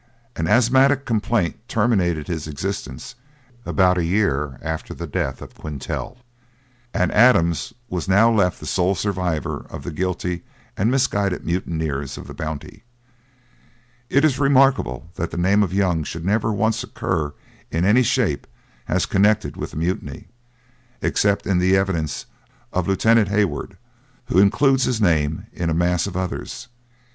An asthmatic complaint terminated his existence about a year after the death of Quintal; and Adams was now left the sole survivor of the guilty and misguided mutineers of the Bounty. It is remarkable that the name of Young should never once occur in any shape as connected with the mutiny, except in the evidence of Lieutenant Hayward, who includes his name in a mass of others.